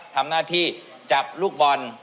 ทำหน้าที่จับลูกบอล